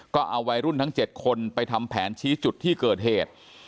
ก็เอาวัยรุ่นทั้ง๗คนไปทำแผนชี้จุดที่เกิดเหตุ